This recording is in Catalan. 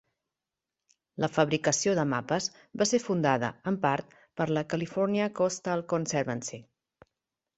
La fabricació de mapes va ser fundada, en part, per la California Coastal Conservancy.